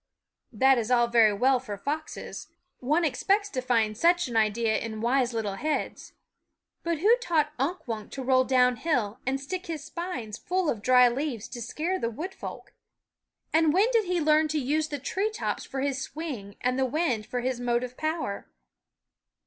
That is all very well for foxes. One expects to find such an idea in wise little heads. But who taught Unk Wunk to roll downhill and stick his spines full of dry leaves to scare the wood folk ? And when did he learn to use the tree tops for his swing and the wind for his motive power